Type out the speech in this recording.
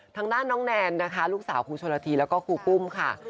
ทางด้านน้องแนนนะคะลูกสาวครูชนละทีแล้วก็ครูปุ้มค่ะ